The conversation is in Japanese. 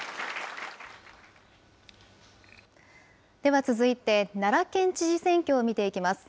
では続いて、奈良県知事選挙を見ていきます。